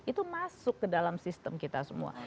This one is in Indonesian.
itu masuk ke dalam sistem kita semua